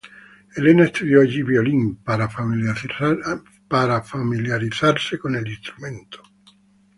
Elena estudió allí violín, para familiarizarse con el instrumento.